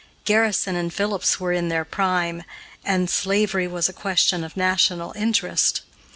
Garrison and Phillips were in their prime, and slavery was a question of national interest.